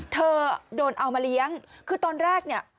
เธอโดนเอามาเลี้ยงคือตอนแรกเนี่ย